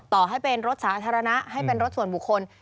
ต่อให้เป็นรถสาธารณะให้เป็นรถส่วนบุคคล